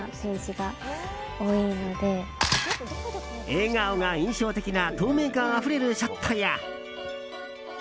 笑顔が印象的な透明感あふれるショットや。